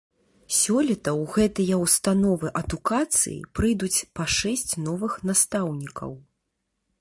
Сёлета ў гэтыя ўстановы адукацыі прыйдуць па шэсць новых настаўнікаў.